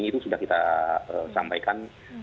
itu sudah kita sampaikan